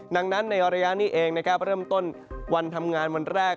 ดังนั้นในระยะนี้เองนะครับเริ่มต้นวันทำงานวันแรก